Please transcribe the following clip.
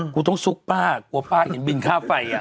กูต้องซุกป้ากลัวป้าเห็นบินค่าไฟ